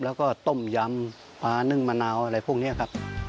แล้วก็ต้มยำปลานึ่งมะนาวอะไรพวกนี้ครับ